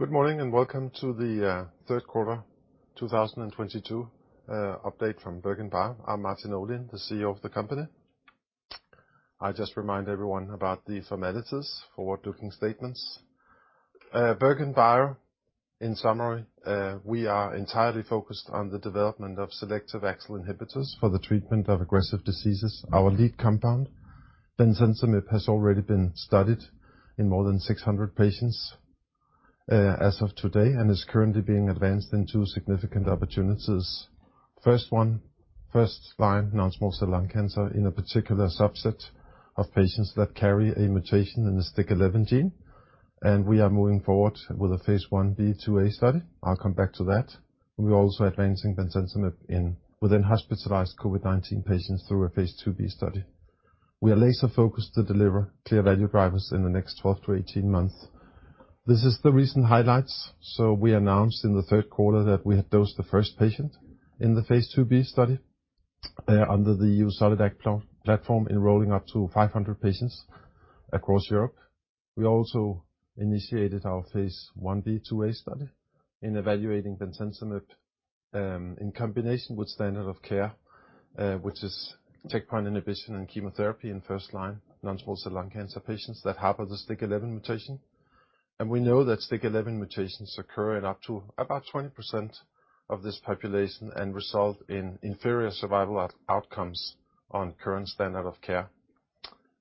Good morning, and welcome to the third quarter 2022 update from BerGenBio. I'm Martin Olin, the CEO of the company. I just remind everyone about the formalities for forward-looking statements. BerGenBio, in summary, we are entirely focused on the development of selective AXL inhibitors for the treatment of aggressive diseases. Our lead compound, bemcentinib, has already been studied in more than 600 patients, as of today and is currently being advanced in two significant opportunities. First one, first-line non-small cell lung cancer in a particular subset of patients that carry a mutation in the STK11 gene, and we are moving forward with phase I-B/II-A study. I'll come back to that. We're also advancing bemcentinib within hospitalized COVID-19 patients through phase II-B study. We are laser-focused to deliver clear value drivers in the next 12-18 months. This is the recent highlights. We announced in the third quarter that we had dosed the first patient in phase II-B study under the EU-SolidAct platform, enrolling up to 500 patients across Europe. We also initiated phase I-B/II-A study in evaluating bemcentinib in combination with standard of care, which is checkpoint inhibition and chemotherapy in first-line non-small cell lung cancer patients that harbor the STK11 mutation. We know that STK11 mutations occur in up to about 20% of this population and result in inferior survival outcomes on current standard of care.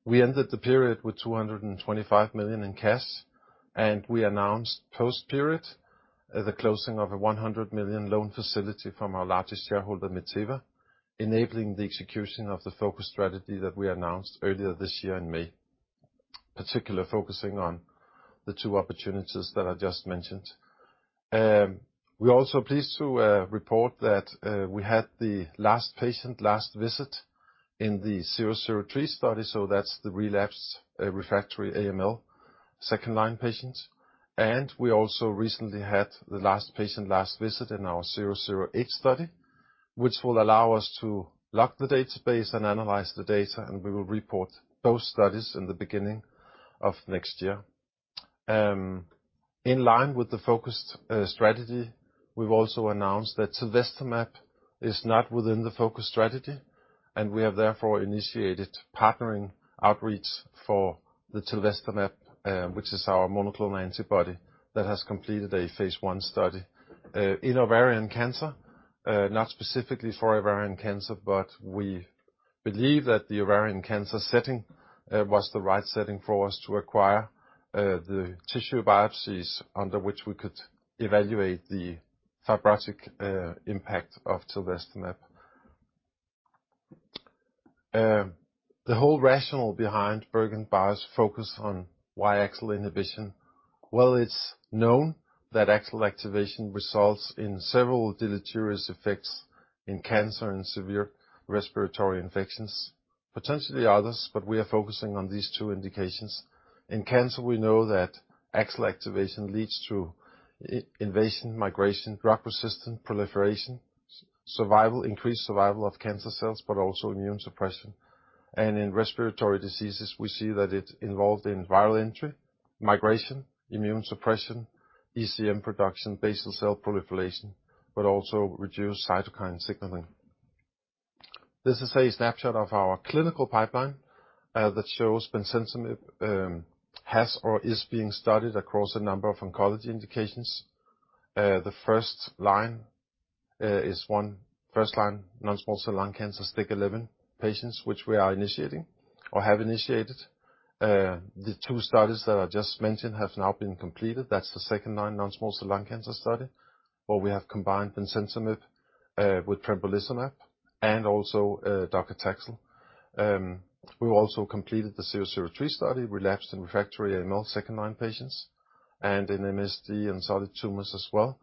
We ended the period with 225 million in cash, and we announced post-period the closing of a 100 million loan facility from our largest shareholder, Meteva, enabling the execution of the focus strategy that we announced earlier this year in May, particularly focusing on the two opportunities that I just mentioned. We're also pleased to report that we had the last patient, last visit in the 003 study, so that's the relapsed, refractory AML second-line patients. We also recently had the last patient, last visit in our 008 study, which will allow us to lock the database and analyze the data, and we will report those studies in the beginning of next year. In line with the focused strategy, we've also announced that tilvestamab is not within the focus strategy, and we have therefore initiated partnering outreach for the tilvestamab, which is our monoclonal antibody that has completed a phase I study in ovarian cancer. Not specifically for ovarian cancer, but we believe that the ovarian cancer setting was the right setting for us to acquire the tissue biopsies under which we could evaluate the fibrotic impact of tilvestamab. The whole rationale behind BerGenBio's focus on why AXL inhibition. Well, it's known that AXL activation results in several deleterious effects in cancer and severe respiratory infections. Potentially others, but we are focusing on these two indications. In cancer, we know that AXL activation leads to invasion, migration, drug resistance, proliferation, survival, increased survival of cancer cells, but also immune suppression. In respiratory diseases, we see that it involved in viral entry, migration, immune suppression, ECM production, basal cell proliferation, but also reduced cytokine signaling. This is a snapshot of our clinical pipeline, that shows bemcentinib, has or is being studied across a number of oncology indications. The first-line is one first-line non-small cell lung cancer STK11 patients, which we are initiating or have initiated. The two studies that I just mentioned have now been completed. That's the second-line non-small cell lung cancer study, where we have combined bemcentinib, with pembrolizumab and also, docetaxel. We've also completed the 003 study, relapsed and refractory AML second-line patients and in MDS and solid tumors as well,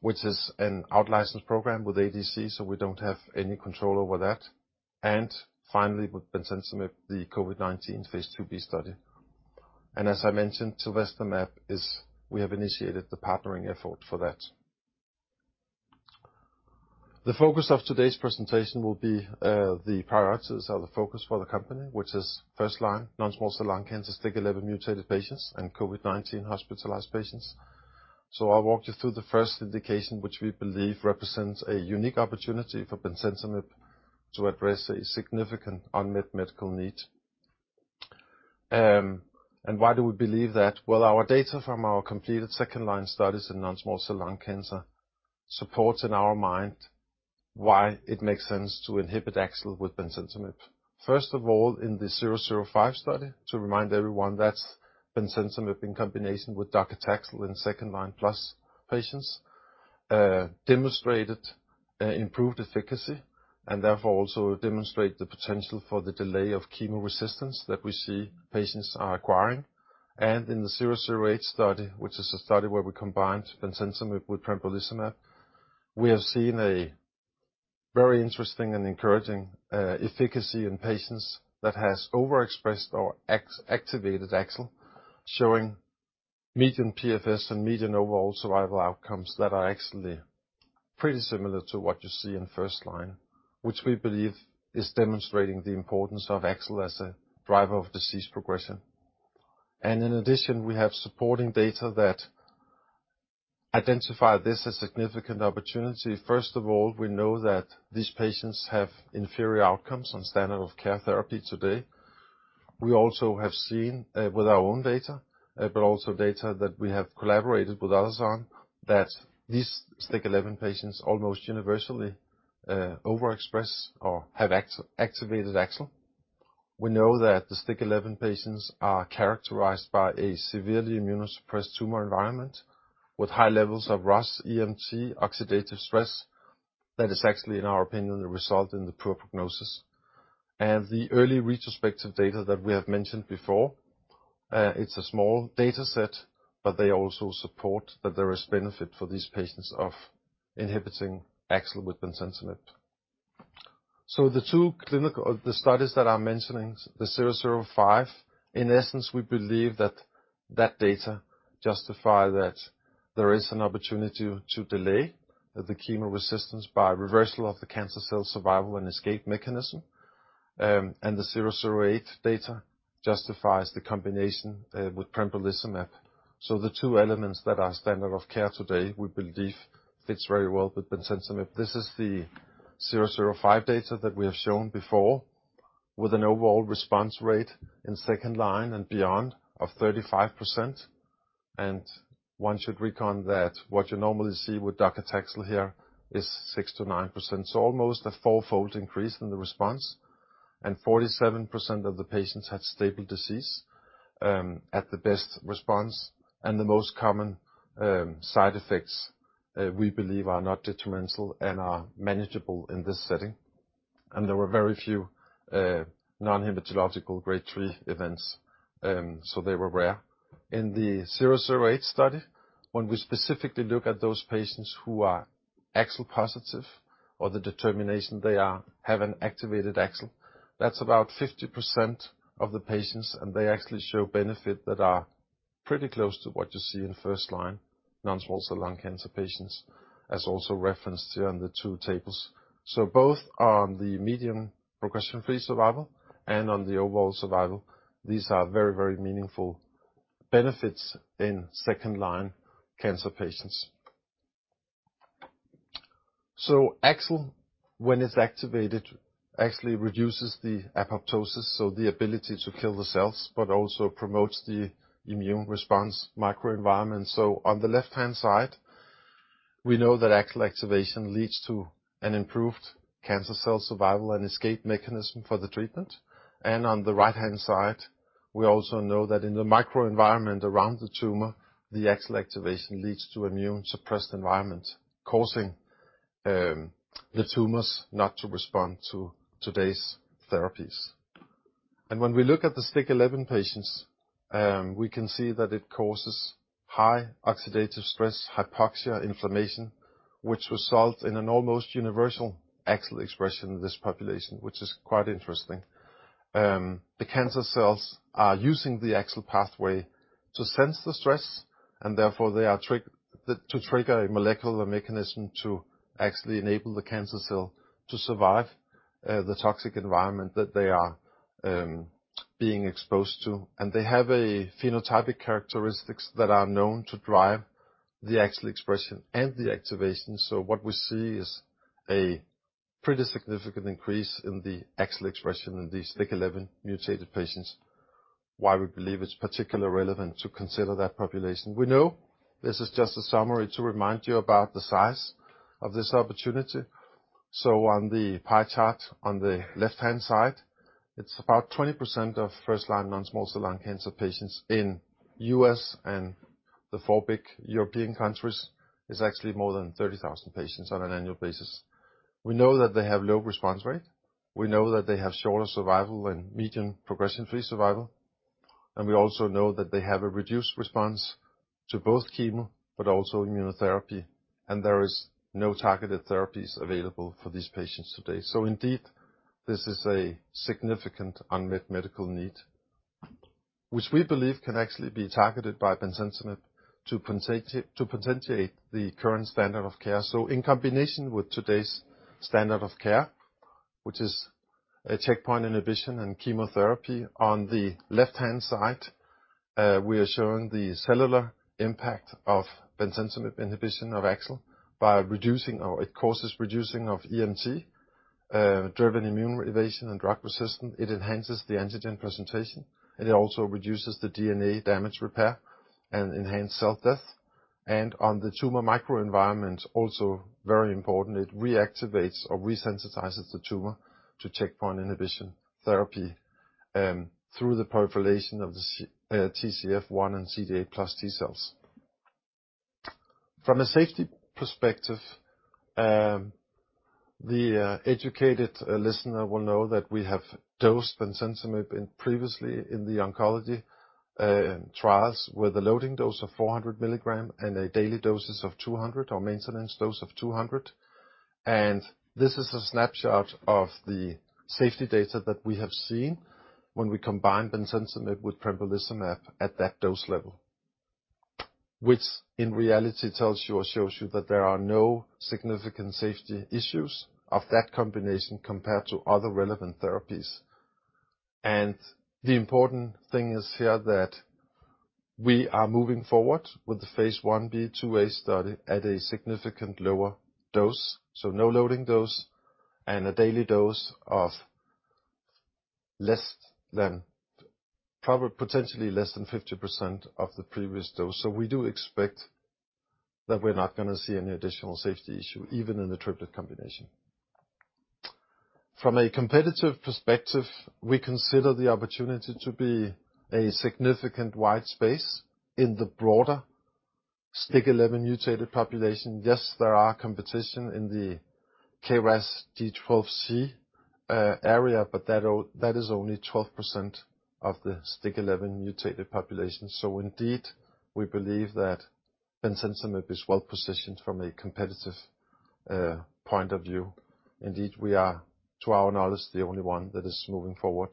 which is an out licensed program with ADC, so we don't have any control over that. Finally, with bemcentinib, the phase II-B study. As I mentioned, tilvestamab is. We have initiated the partnering effort for that. The focus of today's presentation will be the priorities or the focus for the company, which is first-line non-small cell lung cancer STK11 mutated patients and COVID-19 hospitalized patients. I'll walk you through the first indication, which we believe represents a unique opportunity for bemcentinib to address a significant unmet medical need. Why do we believe that? Well, our data from our completed second-line studies in non-small cell lung cancer supports, in our mind, why it makes sense to inhibit AXL with bemcentinib. First of all, in the 005 study, to remind everyone, that's bemcentinib in combination with docetaxel in second-line NSCLC patients, demonstrated improved efficacy and therefore also demonstrate the potential for the delay of chemo resistance that we see patients are acquiring. In the 008 study, which is a study where we combined bemcentinib with pembrolizumab, we have seen a very interesting and encouraging efficacy in patients that has overexpressed or activated AXL, showing median PFS and median overall survival outcomes that are actually pretty similar to what you see in first line, which we believe is demonstrating the importance of AXL as a driver of disease progression. In addition, we have supporting data that identify this as significant opportunity. First of all, we know that these patients have inferior outcomes on standard of care therapy today. We also have seen with our own data, but also data that we have collaborated with others on, that these STK11 patients almost universally overexpress or have AXL-activated AXL. We know that the STK11 patients are characterized by a severely immunosuppressed tumor environment with high levels of ROS, EMT, oxidative stress. That is actually, in our opinion, a result in the poor prognosis. The early retrospective data that we have mentioned before, it's a small data set, but they also support that there is benefit for these patients of inhibiting AXL with bemcentinib. The studies that I'm mentioning, the 005, in essence, we believe that that data justify that there is an opportunity to delay the chemo resistance by reversal of the cancer cell survival and escape mechanism. The 008 data justifies the combination with tremelimumab. The two elements that are standard of care today, we believe fits very well with bemcentinib. This is the 005 data that we have shown before, with an overall response rate in second line and beyond of 35%. One should reckon that what you normally see with docetaxel here is 6%-9%. Almost a four-fold increase in the response. 47% of the patients had stable disease at the best response. The most common side effects we believe are not detrimental and are manageable in this setting. There were very few non-hematological grade three events. They were rare. In the 008 study, when we specifically look at those patients who are AXL positive or have an activated AXL, that's about 50% of the patients, and they actually show benefit that are pretty close to what you see in first line non-small cell lung cancer patients, as also referenced here on the two tables. Both on the median progression-free survival and on the overall survival, these are very, very meaningful benefits in second-line cancer patients. AXL, when it's activated, actually reduces the apoptosis, so the ability to kill the cells, but also promotes the immune response microenvironment. On the left-hand side, we know that AXL activation leads to an improved cancer cell survival and escape mechanism for the treatment. On the right-hand side, we also know that in the microenvironment around the tumor, the AXL activation leads to immune-suppressed environment, causing the tumors not to respond to today's therapies. When we look at the STK11 patients, we can see that it causes high oxidative stress hypoxia inflammation, which results in an almost universal AXL expression in this population, which is quite interesting. The cancer cells are using the AXL pathway to sense the stress, and therefore, they are to trigger a molecular mechanism to actually enable the cancer cell to survive the toxic environment that they are being exposed to. They have a phenotypic characteristics that are known to drive the AXL expression and the activation. What we see is a pretty significant increase in the AXL expression in these STK11 mutated patients, why we believe it's particularly relevant to consider that population. We know this is just a summary to remind you about the size of this opportunity. On the pie chart on the left-hand side, it's about 20% of first-line non-small cell lung cancer patients in U.S., and the four big European countries is actually more than 30,000 patients on an annual basis. We know that they have low response rate, we know that they have shorter survival and median progression-free survival, and we also know that they have a reduced response to both chemo but also immunotherapy, and there is no targeted therapies available for these patients today. Indeed, this is a significant unmet medical need, which we believe can actually be targeted by bemcentinib to potentiate the current standard of care. In combination with today's standard of care, which is a checkpoint inhibition and chemotherapy, on the left-hand side, we are showing the cellular impact of bemcentinib inhibition of AXL by reducing or it causes reducing of EMT driven immune evasion and drug resistance. It enhances the antigen presentation, and it also reduces the DNA damage repair and enhance cell death. On the tumor microenvironment, also very important, it reactivates or resensitizes the tumor to checkpoint inhibition therapy, through the proliferation of the TCF1 and CD8+ T cells. From a safety perspective, the educated listener will know that we have dosed bemcentinib previously in the oncology trials with a loading dose of 400 mg and daily doses of 200 or maintenance dose of 200. This is a snapshot of the safety data that we have seen when we combine bemcentinib with pembrolizumab at that dose level, which in reality tells you or shows you that there are no significant safety issues of that combination compared to other relevant therapies. The important thing is here that we are moving forward with phase I-B/II-A study at a significant lower dose. No loading dose, and a daily dose of less than, probably potentially less than 50% of the previous dose. We do expect that we're not going to see any additional safety issue, even in the triplet combination. From a competitive perspective, we consider the opportunity to be a significant wide space in the broader STK11 mutated population. Yes, there are competition in the KRAS G12C area, but that is only 12% of the STK11 mutated population. Indeed, we believe that bemcentinib is well-positioned from a competitive point of view. Indeed, we are, to our knowledge, the only one that is moving forward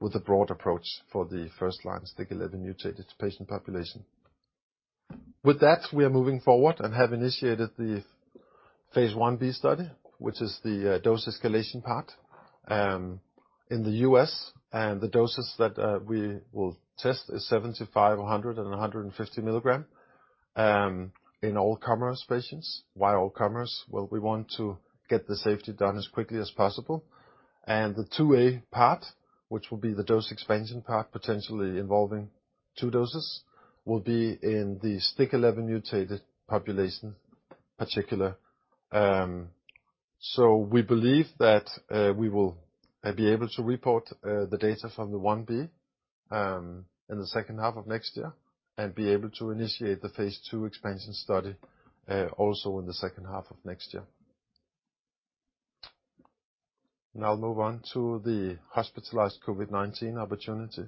with a broad approach for the first line STK11 mutated patient population. With that, we are moving forward and have initiated the phase I-B study, which is the dose escalation part in the U.S. The doses that we will test is 75, 100, and 150 mg in all-comers patients. Why all-comers? Well, we want to get the safety done as quickly as possible. The II-A part, which will be the dose expansion part, potentially involving two doses, will be in the STK11 mutated population particularly. So we believe that we will be able to report the data from the 1b in the second half of next year and be able to initiate the phase II expansion study also in the second half of next year. Now move on to the hospitalized COVID-19 opportunity.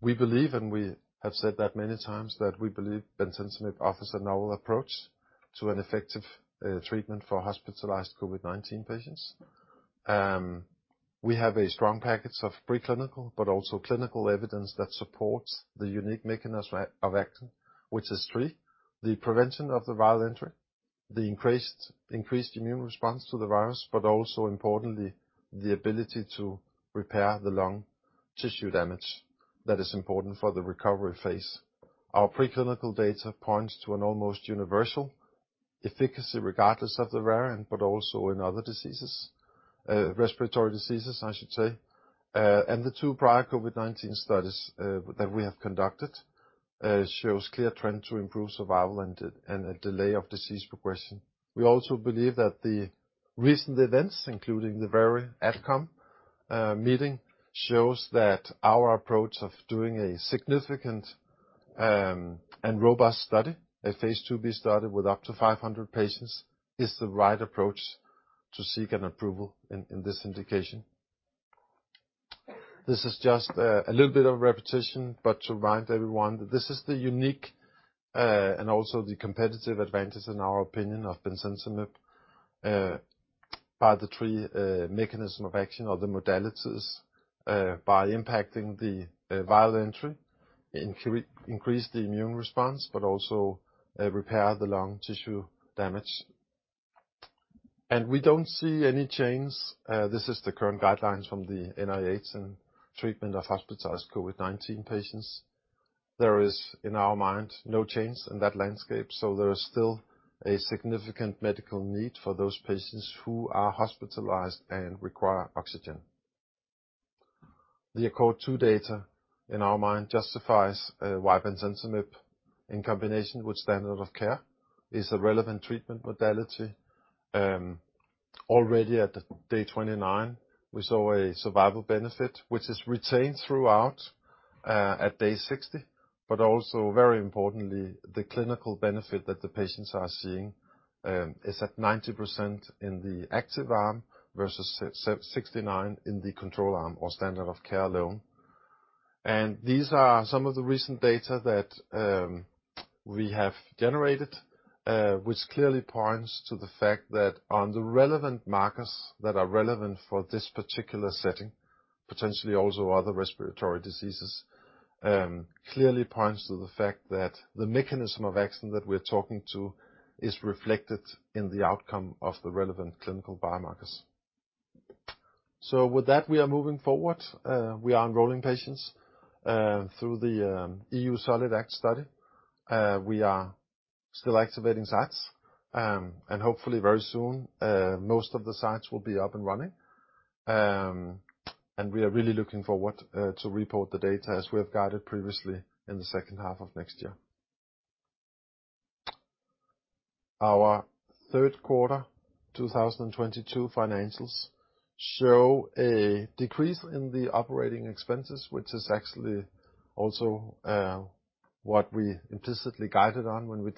We believe, and we have said that many times, that we believe bemcentinib offers a novel approach to an effective treatment for hospitalized COVID-19 patients. We have a strong package of preclinical but also clinical evidence that supports the unique mechanism of action, which is three. The prevention of the viral entry, the increased immune response to the virus, but also importantly, the ability to repair the lung tissue damage that is important for the recovery phase. Our preclinical data points to an almost universal efficacy, regardless of the variant, but also in other diseases, respiratory diseases, I should say. The two prior COVID-19 studies that we have conducted shows clear trend to improve survival and a delay of disease progression. We also believe that the recent events, including the Veru outcome meeting, shows that our approach of doing a significant and robust study, phase II-B study with up to 500 patients, is the right approach to seek an approval in this indication. This is just a little bit of repetition, but to remind everyone, this is the unique and also the competitive advantage, in our opinion, of bemcentinib by the three mechanisms of action or the modalities by impacting the viral entry, increase the immune response, but also repair the lung tissue damage. We don't see any change. This is the current guidelines from the NIH in treatment of hospitalized COVID-19 patients. There is, in our mind, no change in that landscape, so there is still a significant medical need for those patients who are hospitalized and require oxygen. The ACCORD-2 data, in our mind, justifies why bemcentinib in combination with standard of care is a relevant treatment modality. Already at day 29, we saw a survival benefit, which is retained throughout at day 60. Also, very importantly, the clinical benefit that the patients are seeing is at 90% in the active arm versus 69% in the control arm or standard of care alone. These are some of the recent data that we have generated, which clearly points to the fact that on the relevant markers that are relevant for this particular setting, potentially also other respiratory diseases, clearly points to the fact that the mechanism of action that we're talking to is reflected in the outcome of the relevant clinical biomarkers. With that, we are moving forward. We are enrolling patients through the EU-SolidAct study. We are still activating sites, and hopefully very soon, most of the sites will be up and running. We are really looking forward to report the data as we have guided previously in the second half of next year. Our third quarter 2022 financials show a decrease in the operating expenses, which is actually also what we implicitly guided on when we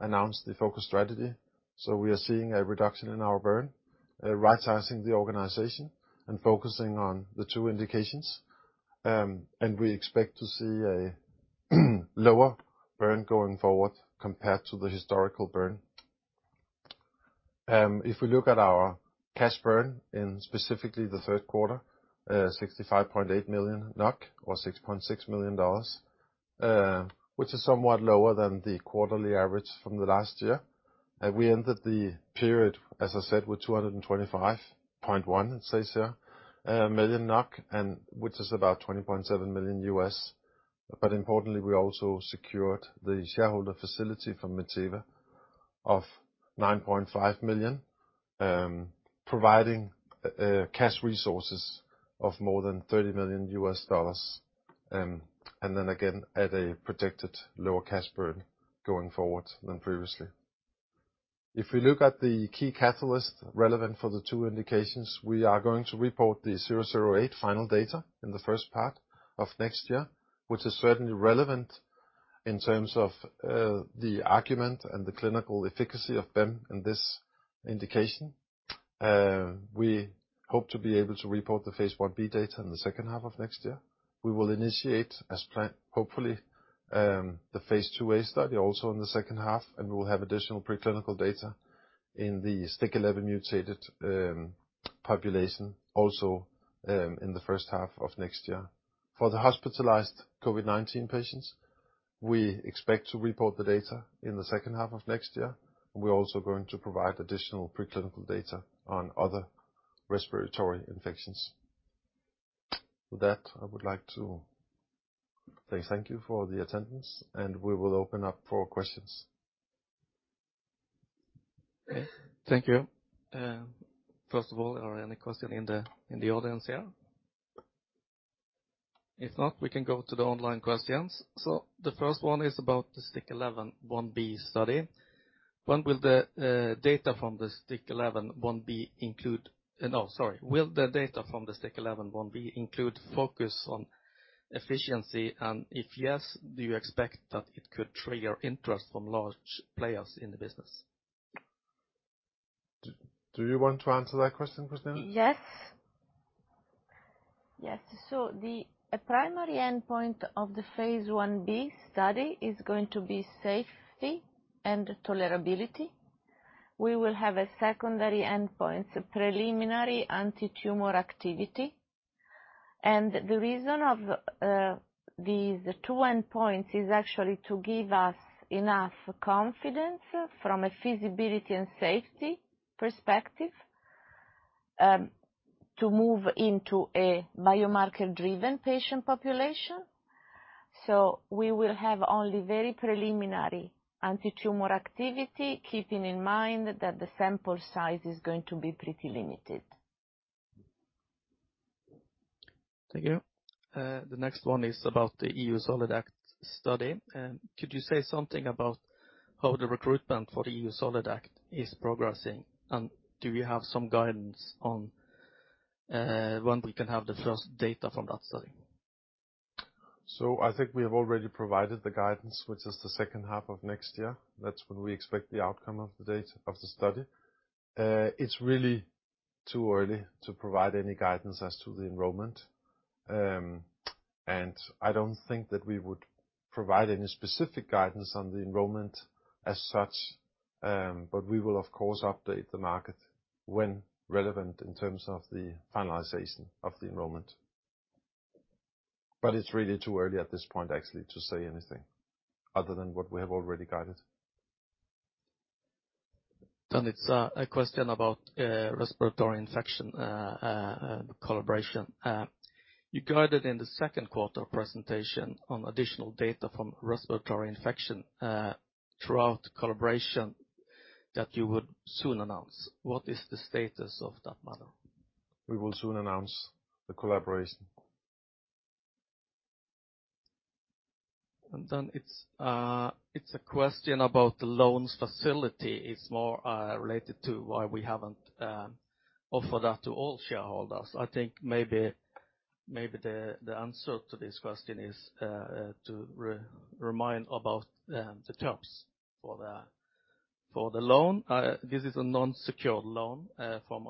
announced the focus strategy. We are seeing a reduction in our burn, right-sizing the organization and focusing on the two indications. We expect to see a lower burn going forward compared to the historical burn. If we look at our cash burn in specifically the third quarter, 65.8 million NOK, or $6.6 million, which is somewhat lower than the quarterly average from the last year. We ended the period, as I said, with 225.1, it says here, million NOK, which is about $20.7 million. Importantly, we also secured the shareholder facility from Meteva of 9.5 million, providing cash resources of more than $30 million. Then again, at a projected lower cash burn going forward than previously. If we look at the key catalyst relevant for the two indications, we are going to report the 008 final data in the first part of next year, which is certainly relevant in terms of the argument and the clinical efficacy of bem in this indication. We hope to be able to report the phase I-B data in the second half of next year. We will initiate as planned, hopefully, the phase II-A study also in the second half, and we will have additional preclinical data in the STK11 mutated population also in the first half of next year. For the hospitalized COVID-19 patients, we expect to report the data in the second half of next year. We're also going to provide additional preclinical data on other respiratory infections. With that, I would like to say thank you for the attendance, and we will open up for questions. Thank you. First of all, are there any question in the audience here? If not, we can go to the online questions. The first one is about the STK11-1B study. Will the data from the STK11-1B include focus on efficacy? And if yes, do you expect that it could trigger interest from large players in the business? Do you want to answer that question, Cristina? Yes. The primary endpoint of the phase I-B study is going to be safety and tolerability. We will have a secondary endpoint, preliminary antitumor activity. The reason for these two endpoints is actually to give us enough confidence from a feasibility and safety perspective to move into a biomarker-driven patient population. We will have only very preliminary antitumor activity, keeping in mind that the sample size is going to be pretty limited. Thank you. The next one is about the EU-SolidAct study. Could you say something about how the recruitment for the EU-SolidAct is progressing? Do you have some guidance on when we can have the first data from that study? I think we have already provided the guidance, which is the second half of next year. That's when we expect the outcome of the study. It's really too early to provide any guidance as to the enrollment. I don't think that we would provide any specific guidance on the enrollment as such, but we will, of course, update the market when relevant in terms of the finalization of the enrollment. It's really too early at this point actually to say anything other than what we have already guided. It's a question about respiratory infection collaboration. You guided in the second quarter presentation on additional data from respiratory infection throughout the collaboration that you would soon announce. What is the status of that matter? We will soon announce the collaboration. It's a question about the loan facility. It's more related to why we haven't offered that to all shareholders. I think maybe the answer to this question is to remind about the terms for the loan. This is a non-secure loan from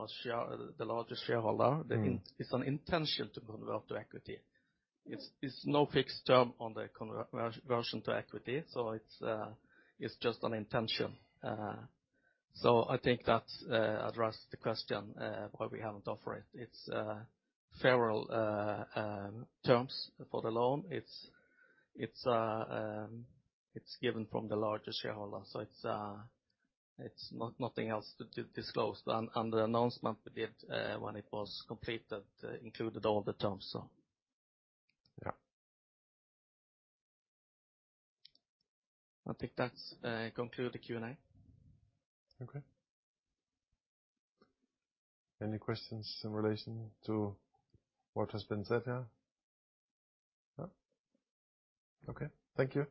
the largest shareholder. Mm-hmm. It's an intention to convert to equity. It's no fixed term on the conversion to equity, so it's just an intention. I think that addresses the question why we haven't offered it. It's favorable terms for the loan. It's given from the largest shareholder. It's nothing else to disclose. The announcement we did when it was completed included all the terms. Yeah. I think that's conclude the Q&A. Okay. Any questions in relation to what has been said here? No? Okay. Thank you.